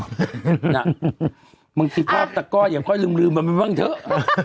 น่ะมึงที่ครอบตักกอบอย่าค่อยลืมมาบ้างเถอะ